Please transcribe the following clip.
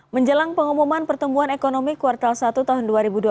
menjelang pengumuman pertumbuhan ekonomi kuartal satu tahun dua ribu dua puluh